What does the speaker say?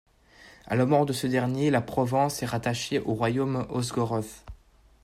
A la mort de ce dernier, la Provence est rattachée au Royaume ostrogoth.